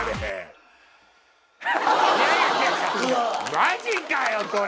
マジかよこれ。